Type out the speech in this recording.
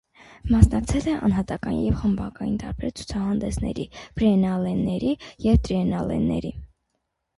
Մասնակցել է անհատական և խմբակային տարբեր ցուցահանդեսների, բիենալեների և տրիենալեների։